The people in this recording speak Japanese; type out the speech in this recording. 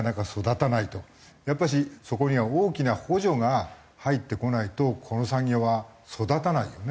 やっぱしそこには大きな補助が入ってこないとこの産業は育たないよね。